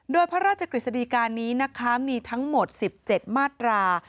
โดยพระราชกฤษฎีการนี้นะคะมีทั้งหมด๑๗มาตรา